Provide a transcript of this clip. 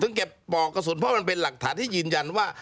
เก็บปอกกระสุนเพราะมันเป็นหลักฐานที่ยืนยันว่า